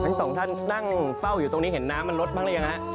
ทั้งสองท่านนั่งเฝ้าอยู่ตรงนี้เห็นน้ำมันลดบ้างหรือยังฮะ